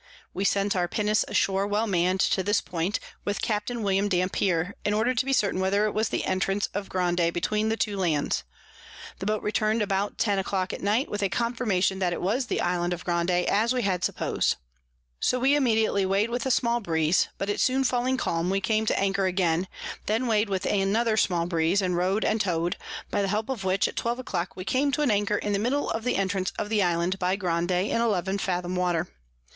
We sent our Pinnace ashore well mann'd to this Point, with Capt. William Dampier, in order to be certain whether it was the Entrance of Grande between the two Lands. The Boat return'd about ten a clock at night, with a Confirmation that it was the Island of Grande, as we had suppos'd: So we immediately weigh'd with a small Breeze; but it soon falling calm, we came to anchor again: then weigh'd with another small Breeze, and row'd and tow'd; by the help of which, at twelve a clock we came to an anchor in the middle of the Entrance of the Island of Grande in 11 Fathom water.